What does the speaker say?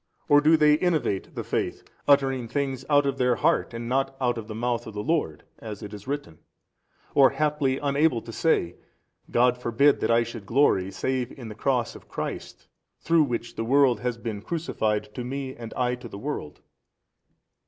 or do they innovate the Faith, uttering things out of their heart and not out of the mouth of the Lord, as it is written, or haply unable to say, God forbid that I should glory save in the cross of Christ through which the world hath been crucified to me and I to the world?